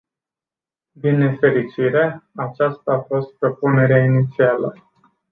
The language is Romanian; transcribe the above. Din nefericire, aceasta a fost propunerea inițială.